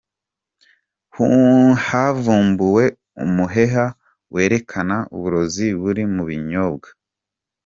Havumbuwe umuheha werekana uburozi buri mu binyobwa